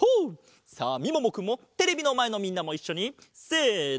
さあみももくんもテレビのまえのみんなもいっしょにせの！